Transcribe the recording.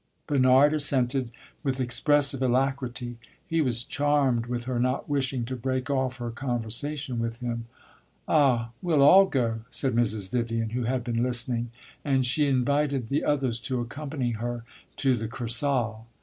Bernard assented with expressive alacrity; he was charmed with her not wishing to break off her conversation with him. "Ah, we 'll all go!" said Mrs. Vivian, who had been listening, and she invited the others to accompany her to the Kursaal.